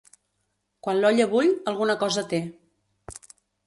Quan l'olla bull, alguna cosa té.